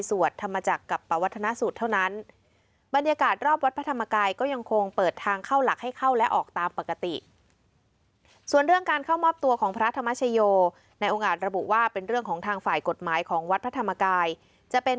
สวดธรรมจากกับปวัฒนสุรเท่านั้น